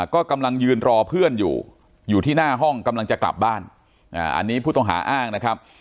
ก็กำลังยืนรอเพื่อนอยู่อยู่ที่หน้าห้องกำลังจะกลับบ้านอันนี้ผู้ต้องหาอ้างนะครับ